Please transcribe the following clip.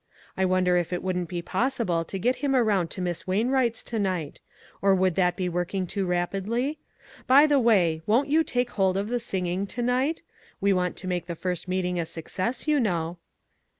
I wonder if it wouldn't be possible to get him around to Miss Wain wright's to night ? Or would that be working too rapidly ? By the wa} , won't you take hold of the singing to night? We want to make the first meeting a success, you know?"